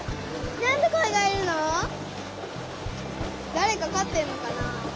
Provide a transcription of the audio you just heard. だれかかってんのかな？